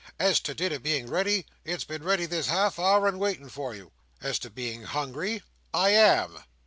As to dinner being ready, it's been ready this half hour and waiting for you. As to being hungry, I am!"